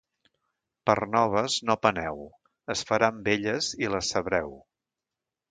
Per noves no peneu; es faran velles i les sabreu.